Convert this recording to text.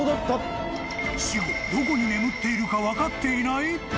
死後どこに眠っているか分かっていない？